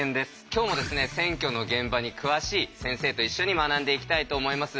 今日もですね選挙の現場に詳しい先生と一緒に学んでいきたいと思います。